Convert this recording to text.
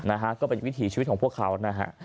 นะฮะก็เป็นวิถีชีวิตของพวกเขานะฮะ